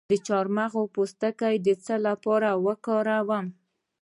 د چارمغز پوستکی د څه لپاره وکاروم؟